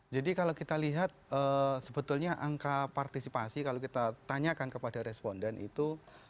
jadi kalau kita lihat sebetulnya angka partisipasi kalau kita tanyakan kepada responden itu